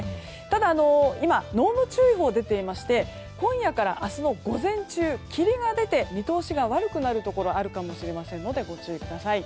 ただ、今濃霧注意報が出ていまして今夜から明日の午前中、霧が出て見通しが悪くなるところあるかもしれませんのでご注意ください。